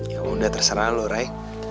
ya udah terserah lo ray